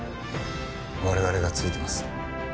我々がついてます。